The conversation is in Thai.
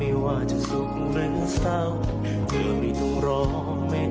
โอ้โหขอบคุณครับ